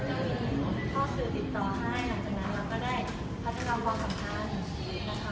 ก็มีข้อสื่อติดต่อให้หลังจากนั้นเราก็ได้พัฒนาความสัมพันธ์นะคะ